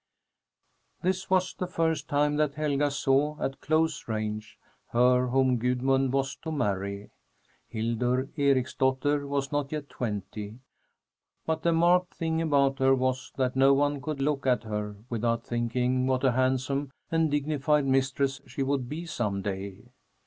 This was the first time that Helga saw, at close range, her whom Gudmund was to marry. Hildur Ericsdotter was not yet twenty, but the marked thing about her was that no one could look at her without thinking what a handsome and dignified mistress she would be some day.